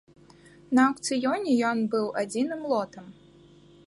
На аўкцыёне ён быў адзіным лотам.